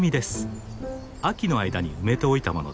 秋の間に埋めておいたものです。